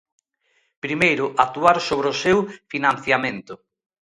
Primeiro, actuar sobre o seu financiamento.